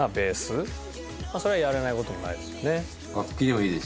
それはやれない事もないですよね。